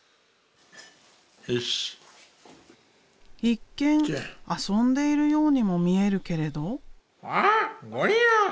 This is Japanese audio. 一見遊んでいるようにも見えるけれど。